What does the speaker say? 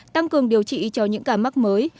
tăng cường điều trị cho những cả mắc mới